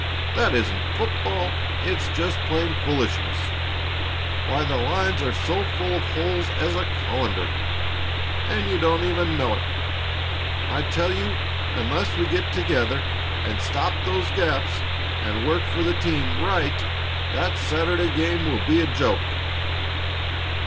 That isn't football; it's just plain foolishness! Why, the lines are as full of holes as a colander and you don't even know it! I tell you, unless we get together and stop those gaps and work for the team right, that game Saturday will be a joke."